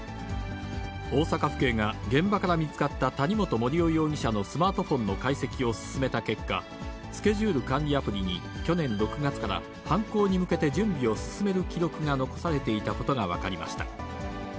大阪府警が現場から見つかった谷本盛雄容疑者のスマートフォンの解析を進めた結果、スケジュール管理アプリに、去年６月から、犯行に向けて準備を進める記録が残されていたことが分かりました。